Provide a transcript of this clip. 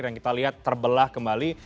yang kita lihat terbelah kembali